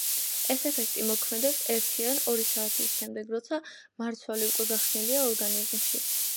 ეს ეფექტი მოქმედებს ერთი ან ორი საათის შემდეგ როცა მარცვალი უკვე გახსნილია ორგანიზმში.